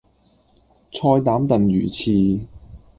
菜膽燉魚翅